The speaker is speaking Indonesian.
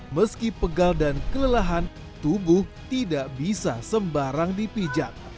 meski pegal dan kelelahan tubuh tidak bisa sembarang dipijak